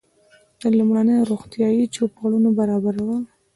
د لومړنیو روغتیایي چوپړونو برابرول.